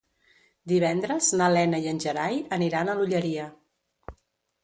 Divendres na Lena i en Gerai aniran a l'Olleria.